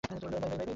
By, বাবা!